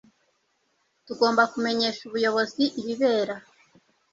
tugomba kumenyesha ubuyobozi ibibera